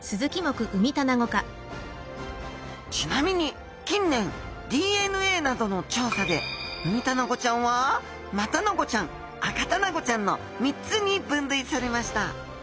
ちなみに近年ＤＮＡなどの調査でウミタナゴちゃんはマタナゴちゃんアカタナゴちゃんの３つに分類されました。